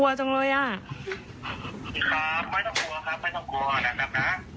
ครับไม่ต้องกลัวครับไม่ต้องกลัวนะครับนะ